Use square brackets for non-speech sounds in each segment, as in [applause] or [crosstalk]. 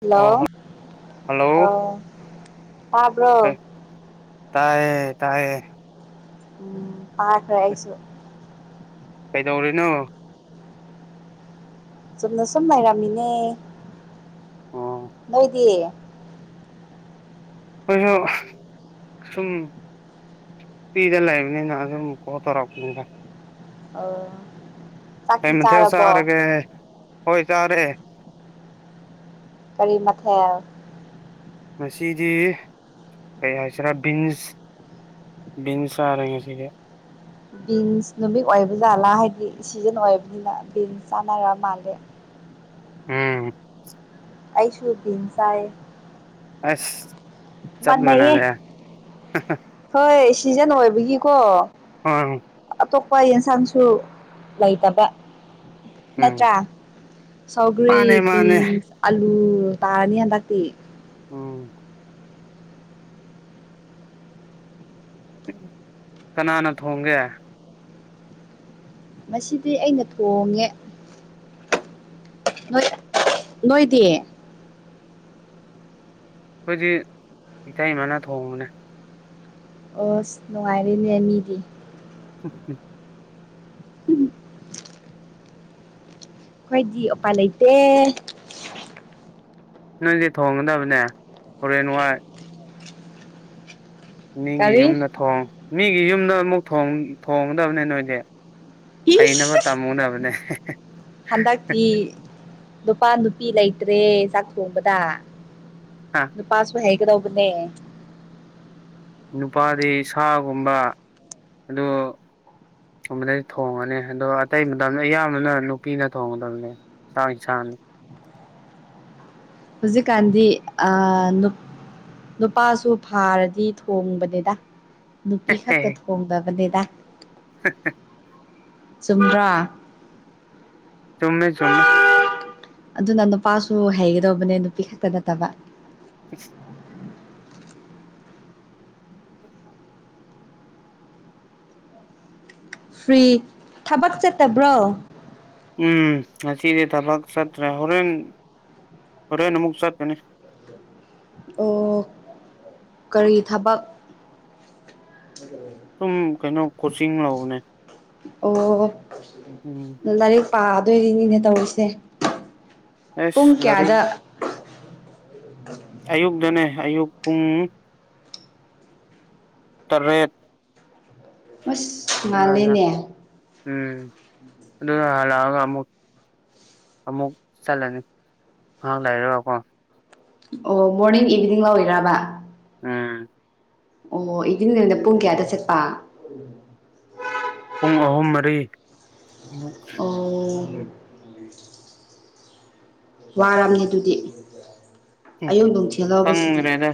hello ꯑꯣ ꯑꯧ ꯇꯥꯢ ꯇꯥꯕ꯭ꯔꯣ ꯇꯥꯏꯌꯦ ꯇꯥꯏꯌꯦ ꯎꯝ ꯇꯥꯈ꯭ꯔꯦ ꯑꯩꯁꯨ ꯀꯩꯗꯧꯔꯤꯅꯣ ꯆꯨꯝꯅ ꯁꯨꯝ ꯂꯩꯔꯝꯃꯤꯅꯦ ꯑꯣ ꯅꯣꯏꯗꯤ [unintelligible] ꯐ꯭ꯔꯤꯗ ꯂꯩꯔꯕꯥꯅꯤꯅ ꯑꯗꯨꯝ ꯀꯣꯜ ꯇꯧꯔꯛꯄꯅꯤꯗ ꯑꯥ ꯀꯩ ꯃꯥꯊꯦꯜ ꯆꯥꯔꯒꯦ ꯍꯣꯢ ꯆꯥꯔꯦ ꯀꯔꯤ ꯃꯊꯦꯜ ꯉꯁꯤꯗꯤ ꯀꯩ ꯍꯥꯏꯁꯤꯔꯥ ꯕꯤꯟꯁ ꯕꯤꯟꯁ ꯆꯥꯔꯦ ꯉꯁꯤꯗꯤ ꯕꯤꯟꯁ ꯅꯨꯃꯤꯠ ꯑꯣꯏꯕꯖꯥꯠꯂꯥ ꯍꯥꯏꯗꯤ ꯁꯤꯖꯟ ꯑꯣꯏꯕꯅꯤꯅ ꯕꯤꯟꯁ ꯆꯥꯅꯔ ꯃꯥꯜꯂꯦ ꯎꯝ ꯑꯩꯁꯨ ꯕꯤꯟꯁ ꯆꯥꯢꯌꯦ ꯑꯁ ꯆꯞ ꯃꯥꯟꯅꯔꯦ ꯍꯥꯍꯥ ꯍꯣꯏ ꯁꯤꯖꯟ ꯑꯣꯏꯕꯒꯤꯀꯣ [unintelligible] ꯑꯇꯣꯞꯄ ꯌꯦꯟꯁꯥꯡꯁꯨ ꯂꯩꯇꯕ ꯎꯝ ꯅꯠꯇ꯭ꯔꯥ ꯁꯧꯒ꯭ꯔꯤ ꯃꯥꯅꯦ ꯃꯥꯅꯦ ꯕꯤꯟꯁ ꯑꯂꯨ ꯇꯥꯔꯅꯤ ꯍꯟꯗꯛꯇꯤ ꯎꯝ ꯀꯅꯥꯅ ꯊꯣꯡꯒꯦ ꯉꯁꯤꯗꯤ ꯑꯩꯅ ꯊꯣꯡꯉꯦ ꯑꯩꯈꯣꯏꯗꯤ ꯅꯣꯏ ꯅꯣꯏꯗꯤ ꯑꯩꯈꯣꯏꯗꯤ ꯏꯇꯩꯃꯥꯅ ꯊꯣꯡꯕꯅꯦ ꯑꯣꯁ ꯅꯨꯡꯉꯥꯏꯔꯦꯅꯦ ꯃꯤꯗꯤ [unintelligible] [unintelligible] ꯑꯩꯈꯣꯏꯗꯤ ꯎꯄꯥꯏ ꯂꯩꯇꯦ ꯅꯣꯏꯗꯤ ꯊꯣꯡꯒꯗꯕꯅꯦ ꯍꯣꯔꯦꯟ ꯋꯥꯏ ꯃꯤꯒꯤ ꯀꯔꯤ ꯌꯨꯝꯗ ꯊꯣꯡ ꯃꯤꯒꯤ ꯌꯨꯝꯗ ꯑꯃꯨꯛ ꯊꯣꯡ ꯊꯣꯡꯒꯗꯕꯅꯦ ꯅꯣꯏꯗꯤ ꯍꯩꯅꯕ ꯏꯁ ꯇꯝꯃꯨꯅꯕꯅꯦ ꯍꯟꯗꯛꯇꯤ ꯅꯨꯄꯥ ꯅꯨꯄꯤ ꯂꯩꯇ꯭ꯔꯦ ꯆꯥꯛ ꯊꯣꯡꯕꯗ ꯅꯨꯨꯄꯥꯁꯨ ꯍꯩꯒꯗꯧꯕꯅꯦ ꯅꯨꯄꯥꯗꯤ ꯁꯥꯒꯨꯝꯕ ꯑꯗꯨ ꯒꯨꯝꯕꯗꯤ ꯊꯣꯡꯉꯅꯤ ꯑꯗꯣ ꯑꯇꯩ ꯃꯇꯝꯗ ꯑꯌꯥꯝꯕꯅ ꯅꯨꯄꯤꯅ ꯊꯣꯡꯒꯗꯕꯅꯦ [unintelligible] ꯍꯧꯖꯤꯛꯀꯥꯟꯗꯤ ꯑ ꯅꯨꯞ ꯅꯨꯄꯥꯁꯨ ꯐꯥꯔꯗꯤ ꯊꯣꯡꯕꯅꯤꯗ ꯅꯨꯄꯤ ꯈꯛꯇ ꯊꯣꯡꯗꯕꯅꯤꯗ [unintelligible] [unintelligible] ꯆꯨꯝꯃꯦ ꯆꯨꯝꯃꯦ ꯑꯗꯨꯅ ꯅꯨꯄꯥꯁꯨ ꯍꯩꯒꯗꯧꯕꯅꯦ ꯅꯨꯄꯤ ꯈꯛꯇ ꯅꯠꯇꯕ [unintelligible] ꯐ꯭ꯔꯤ ꯊꯕꯛ ꯆꯠꯇꯕ꯭ꯔꯣ ꯎꯝ ꯉꯁꯤꯗꯤ ꯊꯕꯛ ꯁꯠꯇ꯭ꯔꯦ ꯍꯣꯔꯦꯟ ꯍꯣꯔꯦꯟ ꯑꯃꯨꯛ ꯆꯠꯀꯅꯤ ꯑꯣ ꯀꯔꯤ ꯊꯕꯛ ꯁꯨꯝ ꯀꯩꯅꯣ ꯀꯣꯆꯤꯡ ꯂꯧꯕꯅꯦ ꯑꯣ ꯎꯝ ꯂꯥꯏꯔꯤꯛ ꯄꯥꯗꯣꯏꯔꯤꯅꯤꯅꯦ ꯇꯧꯔꯤꯁꯦ ꯑꯦꯁ ꯄꯨꯡ ꯂꯥꯔꯤꯛ ꯀꯌꯥꯗ ꯑꯌꯨꯛꯇꯅꯦ ꯑꯌꯨꯛ ꯄꯨꯡ ꯇꯥꯔꯦꯠ ꯑꯁ ꯉꯜꯂꯦꯅꯦ ꯎꯝ ꯑꯗꯨꯒ ꯍꯜꯂꯛꯑꯒ ꯑꯃꯨꯛ ꯑꯃꯨꯛ ꯆꯠꯂꯅꯤ ꯉꯍꯥ ꯂꯩꯔꯒꯀꯣ ꯑꯣ ꯃꯣꯔꯅꯤꯡ ꯏꯚꯤꯅꯤꯡ ꯂꯧꯔꯤꯔꯕ ꯎꯝ ꯑꯣ ꯏꯕꯤꯅꯤꯡꯅ ꯄꯨꯡ ꯀꯌꯥꯗ ꯆꯠꯄ ꯄꯨꯡ ꯑꯍꯨꯝ ꯃꯔꯤ ꯑꯣ ꯋꯥꯔꯝꯅꯤ ꯑꯗꯨꯗꯤ ꯑꯌꯨꯛ ꯅꯨꯡꯊꯤꯜ ꯂꯧꯕ ꯁꯤꯗꯤ ꯆꯪꯈ꯭ꯔꯦꯗ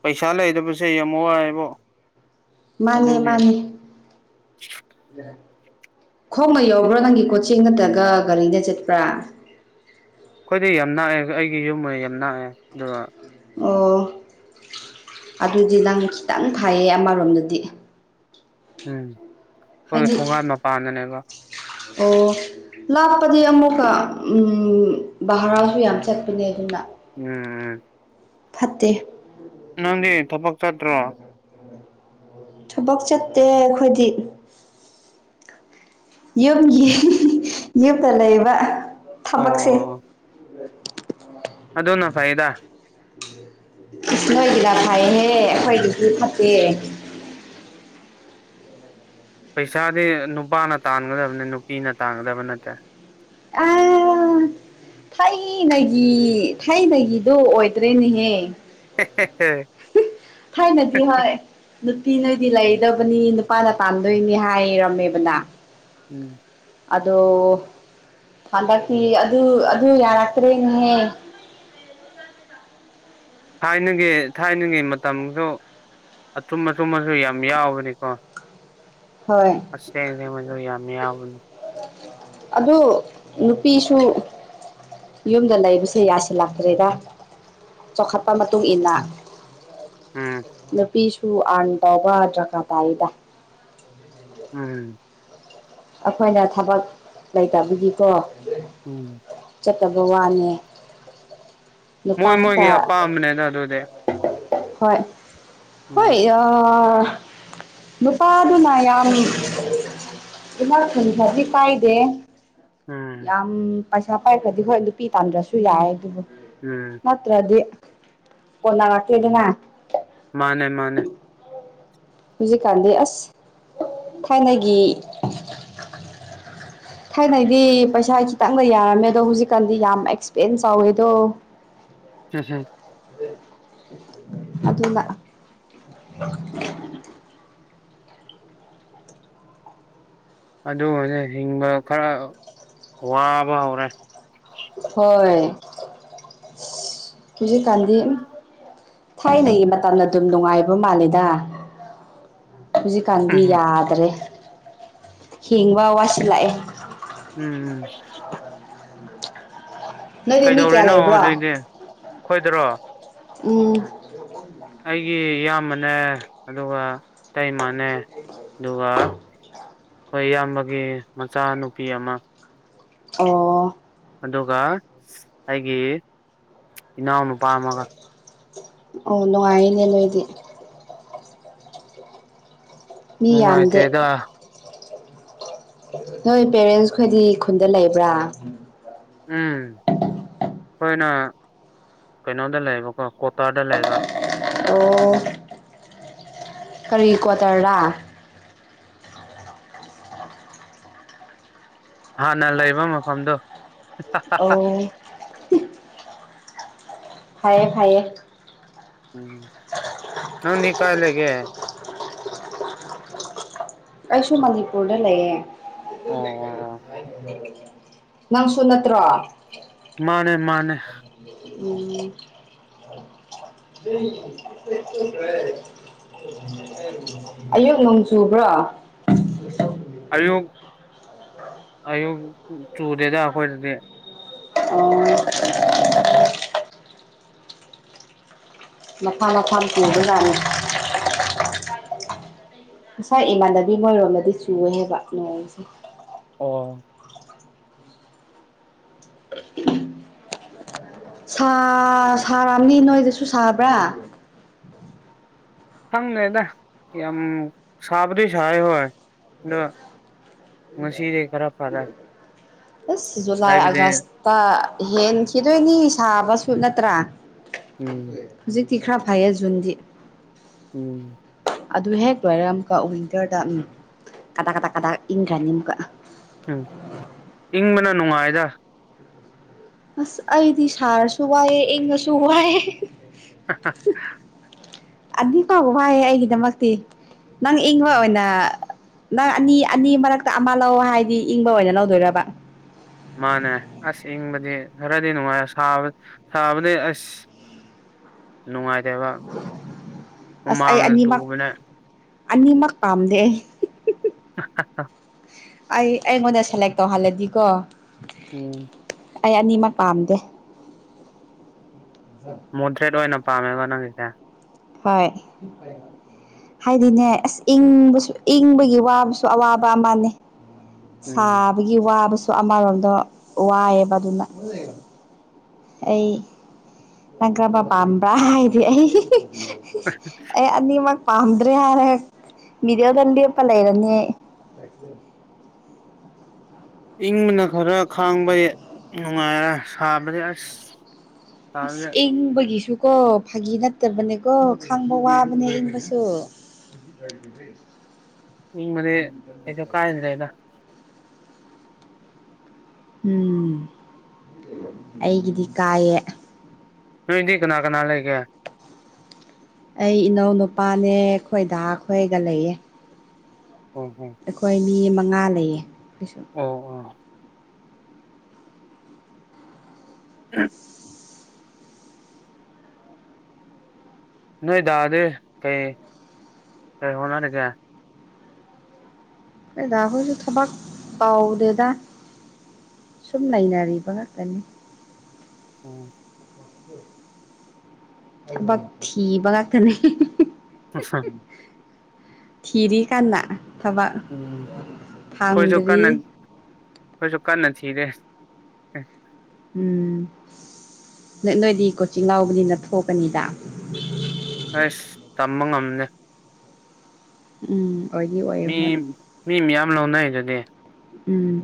ꯄꯩꯁꯥ ꯂꯩꯗꯕꯁꯦ ꯌꯥꯝ ꯋꯥꯏꯕꯣ ꯃꯥꯅꯦ ꯑꯗꯨꯒꯤ ꯃꯥꯅꯦ ꯈꯣꯡꯅ ꯌꯧꯕ꯭ꯔꯥ ꯅꯪꯒꯤ ꯀꯣꯆꯤꯡ ꯅꯠꯇꯒ ꯒꯥꯔꯤꯗ ꯆꯠꯄ꯭ꯔꯥ ꯑꯩꯈꯣꯏꯗꯤ ꯌꯥꯝ ꯅꯥꯛꯑꯦ ꯑꯩꯒꯤ ꯌꯨꯝꯒ ꯌꯥꯝ ꯅꯥꯛꯑꯦ ꯑꯗꯨꯒ ꯑꯣ ꯑꯗꯨꯗꯤ ꯅꯪ ꯈꯤꯇꯪ ꯐꯩꯌꯦ ꯑꯃꯔꯣꯝꯗꯗꯤ ꯎꯝ ꯑꯩꯈꯣꯏ ꯍꯥꯏꯗꯤ ꯊꯣꯡꯒꯥꯟ ꯃꯄꯥꯟꯗꯅꯦꯕ ꯑꯣ ꯂꯥꯞꯄꯗꯤ ꯑꯃꯨꯛꯀ ꯕꯔꯥꯁꯨ ꯌꯥꯝ ꯆꯠꯄꯅꯦ ꯑꯗꯨꯅ ꯎꯝ ꯎꯝ ꯐꯠꯇꯦ ꯅꯪꯗꯤ ꯊꯕꯛ ꯆꯠꯇ꯭ꯔꯣ ꯊꯕꯛ ꯆꯠꯇꯦ ꯑꯩꯈꯣꯏꯗꯤ ꯌꯨꯝꯒꯤ ꯌꯨꯝꯗ ꯂꯩꯕ ꯑꯣ ꯊꯕꯛꯁꯦ ꯑꯣ [unintelligible] ꯑꯗꯨꯅ ꯐꯩꯗ ꯅꯣꯏꯒꯤꯅ ꯐꯩꯍꯦ ꯑꯩꯈꯣꯏꯒꯤꯗꯤ ꯐꯠꯇꯦ ꯄꯩꯁꯥꯗꯤ ꯅꯨꯄꯥꯅ ꯇꯥꯟꯒꯗꯕꯅꯤ ꯅꯨꯄꯤꯅ ꯇꯥꯟꯒꯗꯕ ꯅꯠꯇꯦ ꯑꯥ ꯊꯥꯏꯅꯒꯤ ꯊꯥꯏꯅꯒꯤꯗꯣ ꯑꯣꯏꯗ꯭ꯔꯦꯅꯦꯍꯦ [unintelligible] ꯊꯥꯏꯅꯗꯤ ꯍꯣꯏ ꯅꯨꯞ ꯅꯨꯄꯤ ꯅꯣꯏꯗꯤ ꯂꯩꯗꯕꯅꯤ ꯅꯨꯄꯥꯅ ꯇꯥꯟꯗꯣꯏꯅꯤ ꯍꯥꯏꯔꯝꯃꯦꯕꯅ ꯎꯝ ꯑꯗꯣ ꯍꯟꯗꯛꯀꯤ ꯑꯗꯨ ꯑꯗꯨ ꯌꯥꯔꯛꯇ꯭ꯔꯦꯅꯦꯍꯦ [inaudible] ꯊꯥꯏꯅꯒꯤ ꯊꯥꯏꯅꯒꯤ ꯃꯇꯝꯁꯨ ꯑꯆꯨꯝ ꯑꯆꯨꯝꯕꯁꯨ ꯌꯥꯝ ꯌꯥꯎꯕꯅꯤꯀꯣ ꯍꯣꯏ ꯑꯁꯦꯡ ꯃꯗꯨ ꯌꯥꯝ ꯌꯥꯎꯕꯅꯤ ꯑꯗꯨ ꯅꯨꯄꯤꯁꯨ ꯌꯨꯝꯗ ꯂꯩꯕꯁꯦ ꯌꯥꯁꯤꯜꯂꯛꯇ꯭ꯔꯦꯗ ꯆꯥꯎꯈꯠ ꯄ ꯃꯇꯨꯡꯏꯟꯅ ꯎꯝ ꯅꯨꯄꯤꯁꯨ ꯇꯨ ꯑꯥ꯭ꯔꯟ ꯇꯧꯕ ꯗꯔꯀꯥ ꯇꯥꯏꯗ ꯎꯝ ꯑꯩꯈꯣꯏꯅ ꯊꯕꯛ ꯂꯩꯇꯕꯒꯤꯀꯣ ꯎꯝ ꯆꯠꯇꯕ ꯋꯥꯅꯦ ꯃꯣꯏ ꯅꯨꯄꯥ ꯈꯛꯇ ꯃꯣꯏꯒꯤ ꯑꯄꯥꯝꯕꯅꯦꯗ ꯑꯗꯨꯗꯤ ꯍꯣꯏ ꯍꯣꯏ ꯎꯝ ꯑꯥꯑꯥ ꯅꯨꯄꯥꯗꯨꯅ ꯌꯥꯝ ꯢꯃꯥ ꯈꯨꯟꯊꯥꯕꯤ ꯄꯥꯏꯗꯦ ꯎꯝ ꯌꯥꯝ ꯄꯩꯁꯥ ꯄꯥꯏꯈꯔꯥꯗꯤ ꯍꯣꯏ ꯅꯨꯄꯤ ꯇꯥꯟꯗ꯭ꯔꯁꯨ ꯌꯥꯏ ꯑꯗꯨꯕꯨ ꯎꯝ ꯅꯠꯇ꯭ꯔꯗꯤ ꯀꯣꯟꯅꯔꯛꯇꯦꯗꯅ ꯃꯥꯅꯦ ꯃꯥꯅꯦ ꯍꯧꯖꯤꯛꯀꯥꯟꯗꯤ ꯑꯁ ꯊꯥꯏꯅꯒꯤ ꯊꯥꯏꯅꯩꯗꯤ ꯄꯩꯁꯥ ꯈꯤꯇꯪꯅ ꯌꯥꯔꯝꯃꯦ ꯑꯗꯣ ꯍꯧꯖꯤꯛꯀꯥꯟꯗꯤ ꯌꯥꯝ ꯑꯦꯛꯁꯄꯦꯟꯁ ꯆꯥꯎꯋꯦꯗꯣ ꯍꯨꯝ ꯍꯨꯝ ꯑꯗꯨꯅꯥ ꯑꯗꯨꯒꯅꯦ ꯍꯤꯡꯕ ꯈꯔ ꯋꯥꯕ ꯍꯧꯔꯦ ꯍꯣꯏ ꯍꯨꯖꯤꯛ ꯀꯥꯟꯗꯤ ꯊꯥꯏꯅꯒꯤ ꯃꯇꯝꯅ ꯑꯗꯨꯝ ꯅꯨꯡꯉꯥꯏꯕ ꯃꯥꯜꯂꯤꯗ ꯍꯧꯖꯤꯛꯀꯥꯟꯗꯤ ꯎꯝ ꯌꯥꯗ꯭ꯔꯦ ꯍꯤꯡꯕ ꯋꯥꯁꯤꯜꯂꯛꯑꯦ ꯎꯝ ꯎꯝ ꯅꯣꯏꯗꯤ ꯃꯤ ꯀꯌꯥ ꯀꯩꯗꯧꯔꯤꯅꯣ ꯂꯩꯕ꯭ꯔꯣ ꯍꯧꯖꯤꯛꯗꯤ ꯈꯣꯏꯗꯔꯣ ꯎꯝ ꯑꯩꯒꯤ ꯏꯌꯥꯝꯕꯅꯦ ꯑꯗꯨꯒ ꯏꯇꯩꯃꯥꯅꯦ ꯑꯗꯨꯒ ꯍꯣꯏ ꯏꯌꯥꯝꯕꯒꯤ ꯃꯆꯥꯅꯨꯄꯤ ꯑꯃ ꯑꯣ ꯑꯗꯨꯒ ꯑꯩꯒꯤ ꯏꯅꯥꯎꯅꯨꯄꯥ ꯑꯃꯒ ꯑꯣ ꯅꯨꯡꯉꯥꯏꯔꯤꯅꯦ ꯅꯣꯏꯗꯤ ꯃꯤ ꯌꯥꯝꯗꯦ ꯅꯨꯡꯉꯥꯏꯇꯦꯗ ꯅꯣꯏ ꯄꯦꯔꯦꯟꯁ ꯈꯣꯏꯗꯤ ꯈꯨꯟꯗ ꯂꯩꯕ꯭ꯔꯥ ꯎꯝ ꯑꯩꯈꯣꯏꯅ ꯀꯩꯅꯣꯗ ꯂꯩꯕꯀꯣ ꯀꯣꯇꯥꯔꯗ ꯂꯩꯕ ꯑꯣ ꯀꯔꯤ ꯀ꯭ꯋꯥꯇꯔ ꯔꯥ ꯍꯥꯟꯅ ꯂꯩꯕ ꯃꯐꯝꯗꯣ ꯍꯥ ꯍꯥ ꯐꯥꯌꯦ ꯐꯥꯌꯦ ꯅꯪꯗꯤ ꯀꯥꯏ ꯂꯩꯒꯦ ꯑꯩꯁꯨ ꯃꯅꯤꯄꯨꯔꯗ ꯂꯩꯌꯦ ꯑꯣ ꯅꯪꯁꯨ ꯅꯠꯇ꯭ꯔꯣ ꯃꯥꯅꯦ ꯃꯥꯅꯦ ꯎꯝ ꯑꯥꯌꯨꯛ ꯅꯣꯡ ꯆꯨꯕ꯭ꯔꯣ [inaudible] ꯑꯥꯌꯨꯛ ꯑꯥꯌꯨꯛ ꯆꯨꯗꯦꯗ ꯑꯩꯈꯣꯏꯗꯗꯤ ꯑꯣ ꯃꯐꯥ ꯃꯐꯝ ꯁꯤꯡꯗꯨꯅꯥꯅꯤ ꯉꯁꯥꯏ ꯏꯃꯥꯟꯅꯕꯤ ꯃꯣꯏꯔꯣꯝꯗꯗꯤ ꯆꯨꯋꯦ ꯍꯥꯏꯕ ꯅꯣꯡꯁꯦ ꯑꯣ [unintelligible] ꯁꯥ ꯁꯥꯔꯝꯅꯤ ꯅꯣꯏꯗꯁꯨ ꯁꯥꯕ꯭ꯔꯥ ꯈꯪꯗꯦꯗ ꯌꯥꯝ ꯁꯥꯕꯨꯗꯤ ꯁꯥꯏꯌꯦ ꯍꯣꯏ ꯗ ꯉꯁꯤ ꯈꯔ ꯐꯔꯦ ꯑꯁ ꯖꯨꯂꯥꯏ ꯍꯥꯏꯕꯗꯤ ꯑꯥꯒꯁꯇ ꯍꯦꯟꯈꯤꯗꯣꯏꯅꯤ ꯁꯥꯕꯁꯨ ꯅꯠꯇ꯭ꯔꯥ ꯎꯝ ꯍꯧꯖꯤꯛꯇꯤ ꯈꯔ ꯐꯥꯏꯌꯦ ꯖꯨꯟꯗꯤ ꯎꯝ ꯑꯗꯨ ꯍꯦꯛ ꯂꯣꯏꯔꯒ ꯑꯃꯨꯛꯀ ꯋꯤꯟꯇꯔꯗ ꯎꯝ ꯀꯗꯥꯛ ꯀꯗꯥꯛ ꯀꯗꯥꯛ ꯏꯪꯈ꯭ꯔꯅꯤ ꯑꯃꯨꯛꯀ ꯎꯝ ꯏꯪꯕꯅ ꯅꯨꯡꯉꯥꯏꯗ ꯑꯁ ꯑꯩꯗꯤ ꯁꯥꯔꯁꯨ ꯋꯥꯏꯌꯦ ꯏꯪꯉꯁꯨ ꯋꯥꯏꯌꯦ ꯍꯥ ꯍꯥ ꯑꯗꯨ ꯐꯥꯎꯕ ꯋꯥꯏꯑꯦ ꯑꯩꯒꯤꯗꯃꯛꯇꯤ ꯅꯪ ꯏꯪꯕ ꯎꯝ ꯑꯣꯏꯅ ꯅꯪ ꯑꯅꯤ ꯑꯅꯤ ꯃꯔꯛꯇ ꯑꯃ ꯂꯧ ꯍꯥꯏꯗꯤ ꯏꯪꯕ ꯑꯣꯏꯅ ꯂꯧꯗꯣꯏꯔꯕ ꯃꯥꯅꯦ ꯑꯁ ꯏꯪꯕꯗꯤ ꯈꯔꯗꯤ ꯅꯨꯡꯉꯥꯏ ꯁꯥꯕ ꯁꯥꯕꯗꯤ ꯑꯁ ꯅꯨꯡꯉꯥꯏꯇꯦꯕ ꯍꯨꯃꯥꯡꯅ ꯇꯨꯕꯅꯦ ꯑꯅꯤ ꯃꯥꯛ ꯄꯥꯝꯗꯦ ꯑꯩ ꯑꯩꯉꯣꯟꯗ ꯁꯦꯂꯦꯛ ꯇꯧꯍꯜꯂꯗꯤꯀꯣ ꯎꯝ ꯑꯩ ꯑꯅꯤꯃꯛ ꯄꯥꯝꯗꯦ ꯃꯣꯗ꯭ꯔꯦꯠ ꯑꯣꯏꯅ ꯄꯥꯝꯃꯦꯕ ꯅꯪꯒꯤꯁꯦ ꯍꯣꯏ ꯍꯥꯏꯗꯤꯅꯦ ꯑꯁ ꯏꯪꯕꯁꯨ ꯏꯪꯕꯒꯤ ꯋꯥꯕꯁꯨ ꯑꯋꯥꯕ ꯑꯃꯅꯦ ꯎꯝ ꯁꯥꯕꯒꯤ ꯋꯥꯕꯁꯨ ꯑꯃꯔꯣꯝꯗ ꯋꯥꯏꯌꯦꯕ ꯑꯗꯨꯅ ꯑꯩ ꯅꯪ ꯀꯔꯝꯕ ꯄꯥꯝꯕ꯭ꯔꯥ ꯍꯥꯏꯗꯤ ꯑꯩ ꯑꯩ ꯑꯅꯤꯃꯛ ꯄꯥꯝꯗ꯭ꯔꯦ ꯍꯥꯏꯔ ꯃꯤꯗꯜ ꯗ ꯂꯦꯞꯄꯥ ꯂꯩꯥꯏꯔꯅꯤ ꯑꯩ ꯏꯪꯕꯅ ꯈꯔ ꯈꯥꯡꯕ ꯅꯨꯡꯉꯥꯏꯔꯦ ꯁꯥꯕꯗꯤ ꯑꯁ ꯑꯁ ꯁꯥꯕꯁꯦ ꯏꯪꯕꯒꯤꯁꯨ ꯀꯣ ꯐꯥꯒꯤ ꯅꯠꯇꯕꯅꯦ ꯀꯣ ꯈꯥꯡꯕ ꯋꯥꯕꯅꯦ ꯏꯪꯕꯁꯨ ꯥ [unintelligible] ꯏꯪꯕꯗꯤ ꯀꯩꯁꯨ ꯀꯥꯏꯗꯔꯦꯗ ꯎꯝ ꯑꯩꯒꯤꯗꯤ ꯀꯥꯏꯌꯦ ꯅꯣꯏꯗꯤ ꯀꯅꯥ ꯀꯅꯥ ꯂꯩ ꯑꯩ ꯏꯅꯥꯎ ꯅꯨꯄꯥꯅꯦ ꯑꯩꯈꯣꯏꯗ ꯈꯣꯏꯒ ꯂꯩꯌꯦ ꯍꯝ ꯍꯝ ꯑꯩꯈꯣꯏ ꯃꯤ ꯃꯉꯥ ꯂꯩꯌꯦ ꯑꯩꯈꯣꯏꯁꯨ ꯑꯣ [unintelligible] ꯅꯣꯏ ꯗꯥ ꯗꯤ ꯀꯩ ꯀꯩ ꯍꯣꯠꯅꯔꯤꯒꯦ ꯑꯩꯈꯣꯏ ꯗꯥ ꯍꯣꯏꯁꯨ ꯊꯕꯛ ꯇꯧꯗꯦꯗ ꯁꯨꯝ ꯂꯩꯥꯅꯔꯤꯕ ꯉꯥꯛꯇꯅꯤ ꯎꯝ ꯊꯕꯛ ꯊꯤꯕ ꯉꯥꯛꯇꯅꯦ [unintelligible] ꯊꯤꯔꯤ ꯀꯟꯅ ꯈꯣꯏꯖꯨ ꯀꯟꯅ ꯐꯪꯗ꯭ꯔꯤ ꯈꯣꯏꯖꯨ ꯀꯟꯅ ꯊꯤꯔꯦ ꯎꯝ ꯅꯣꯏ ꯅꯣꯏꯗꯤ ꯀꯣꯆꯤꯡ ꯂꯥꯎꯕꯅꯤꯅ ꯊꯣꯛꯀꯅꯤꯗ ꯑꯁ ꯇꯝꯕ ꯉꯝꯗꯦ ꯎꯝ ꯑꯣꯏꯗꯤ ꯑꯣꯏꯌꯦ ꯃꯤ ꯍꯣꯏ ꯃꯤ ꯃꯌꯥꯝ ꯂꯧꯅꯩ ꯗꯨꯗꯤ ꯎꯝ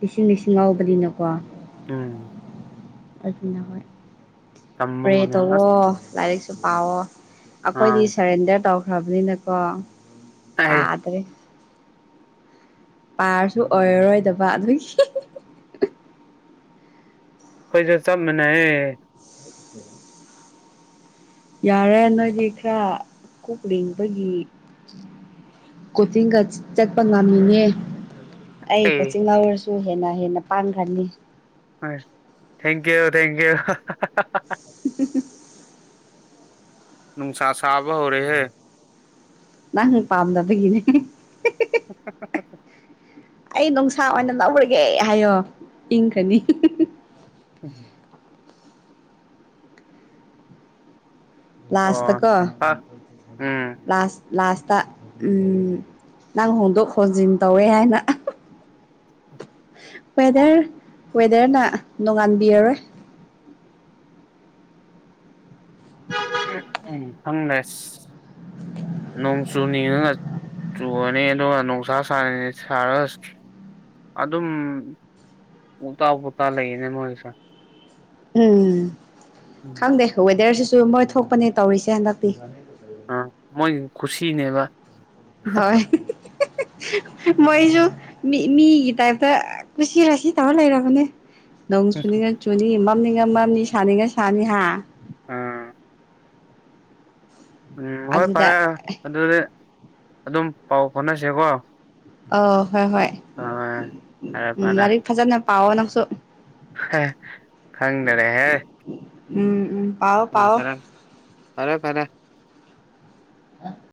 ꯂꯤꯁꯤꯡ ꯂꯤꯁꯤꯡ ꯉꯥꯎꯕꯅꯤꯅꯀꯣ ꯎꯝ ꯑꯗꯨꯅ ꯍꯣꯏ ꯇꯝꯕ ꯄ꯭ꯔꯦ ꯉꯝꯃꯦ ꯇꯧꯋꯣ ꯑꯁ ꯂꯥꯏꯔꯤꯛ ꯄꯥꯎꯑꯣ ꯑꯩꯈꯣꯏꯗꯤ ꯑꯥ ꯁꯔꯦꯟꯗꯔ ꯇꯧꯈ꯭ꯔꯕꯅꯤꯅꯀꯣ ꯑꯩꯈꯣꯏꯁꯨ ꯄꯥꯗ꯭ꯔꯦ ꯄꯥꯔꯁꯨ ꯑꯣꯏꯔꯔꯣꯏꯗꯕ ꯑꯗꯨꯒꯤ ꯑꯩꯈꯣꯏꯖꯨ ꯆꯞ ꯃꯥꯟꯅꯩꯌꯦ [inaudible] ꯌꯥꯔꯦ ꯅꯣꯏꯗꯤ ꯈꯔ ꯀꯣꯛꯂꯤꯡꯕꯒꯤ ꯀꯣꯆꯤꯡꯒ ꯆꯠꯄ ꯉꯝꯃꯤꯅꯦ ꯑꯩ ꯀꯣꯆꯤꯡ ꯂꯧꯔꯁꯨ ꯍꯦꯟꯅ ꯍꯦꯟꯅ ꯄꯥꯡꯈ꯭ꯔꯅꯤ ꯍꯣꯏ ꯊꯦꯡꯀ꯭ꯌꯨ ꯊꯦꯡꯀ꯭ꯌꯨ [unintelligible] ꯅꯨꯡꯁꯥ ꯁꯥꯕ ꯍꯧꯔꯦꯍꯦ ꯅꯪ ꯄꯥꯝꯗꯕꯒꯤꯅꯦ [unintelligible] ꯑꯩ ꯅꯨꯡꯁꯥ ꯑꯣꯏꯅ ꯂꯧꯔꯒꯦ ꯍꯥꯏꯌꯣ ꯏꯪꯈ꯭ꯔꯅꯤ ꯎꯝ ꯂꯥꯁꯇ ꯑꯣ ꯀꯣ ꯍꯥ ꯎꯝ ꯂꯥꯁ ꯂꯥꯁꯇ ꯎꯝ ꯅꯪ ꯍꯣꯡꯗꯣꯛ ꯍꯣꯟꯖꯤꯟ ꯇꯧꯋꯦ ꯍꯥꯏꯅ ꯋꯦꯗꯔ ꯋꯦꯗꯔꯅ ꯅꯣꯡꯉꯥꯟꯕꯤꯔꯔꯣꯏ [unintelligible] ꯎꯝ ꯎꯝ ꯐꯪꯅꯦꯁ ꯅꯣꯡ ꯆꯨ ꯅꯤꯡꯉꯦ [unintelligible] ꯑꯗꯨꯝ ꯎꯇꯥ ꯄꯨꯇꯥ ꯂꯩꯌꯦꯅꯦ ꯃꯣꯏꯁꯦ ꯎꯝ ꯈꯪꯗꯦ ꯋꯦꯗꯔꯁꯤꯁꯨ ꯃꯣꯏ ꯊꯣꯛꯄꯅꯦ ꯇꯧꯔꯤꯁꯦ ꯍꯟꯗꯛꯇꯤ ꯑ ꯃꯣꯏ ꯀꯨꯁꯤꯅꯦꯕ ꯍꯣꯏ ꯃꯣꯏꯁꯨ ꯃꯤ ꯃꯤꯒꯤ ꯇꯥꯏꯞꯇ ꯀꯨꯁꯤꯔꯥꯁꯤ ꯇꯧ ꯂꯩꯔꯕꯅꯦ ꯅꯣꯡ ꯆꯨꯅꯤꯡꯉ ꯆꯨꯅꯤ ꯃꯝꯅꯤꯡꯉ ꯃꯝꯅꯤ ꯁꯥꯅꯤꯡꯉ ꯁꯥꯅꯤ ꯍꯥ ꯑꯝ ꯎꯝ ꯍꯣꯏ ꯑꯗꯨꯗ ꯐꯔꯦ ꯑꯗꯨꯗꯤ ꯑꯗꯨꯝ ꯄꯥꯎ ꯐꯥꯎꯅꯁꯦꯀꯣ ꯑꯧ ꯍꯣꯏ ꯍꯣꯏ ꯑꯥ ꯐꯔꯦ ꯎꯝ ꯂꯥꯏꯔꯤꯛ ꯐꯖꯅ ꯄꯥꯎꯑꯣ ꯅꯪꯁꯨ ꯈꯪꯗꯔꯦ ꯍꯦ ꯎꯝ ꯎꯝ ꯄꯥꯎꯑꯣ ꯎꯝ ꯄꯥꯎꯑꯣ ꯐꯔꯦ ꯐꯔꯦ ꯐꯔꯦ [unintelligible]